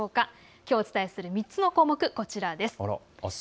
きょうお伝えする３つの項目、こちらです。